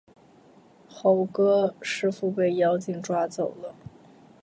猴哥，师父被妖精抓走了